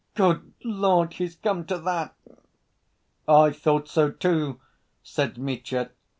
"Good Lord, he's come to that!" "I thought so, too!" said Mitya.